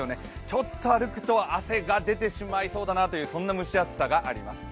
ちょっと歩くと汗が出てしまいそうだなという、そんな蒸し暑さがあります。